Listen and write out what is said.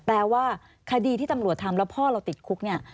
แปลว่าคดีที่ตำรวจทำแล้วพ่อเราติดคุกเนี่ย